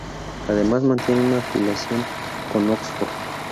Además mantiene una afiliación con Oxford.